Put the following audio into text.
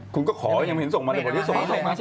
คุณก็ขออย่างเงินส่งมาเดี๋ยวพ่อที่ส่งไป